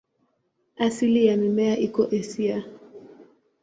Asili ya mimea iko Asia.